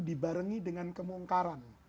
dibarengi dengan kemungkaran